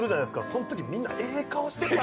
そのとき、みんな、ええ顔してた。